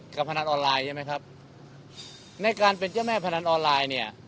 พนันออนไลน์ใช่ไหมครับในการเป็นเจ้าแม่พนันออนไลน์เนี่ย